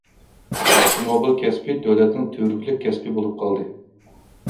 ئاپتوموبىل كەسپى دۆلەتنىڭ تۈۋرۈكلۈك كەسپى بولۇپ قالدى.